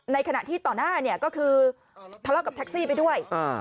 ในขณะที่ต่อหน้าเนี่ยก็คือทะเลาะกับแท็กซี่ไปด้วย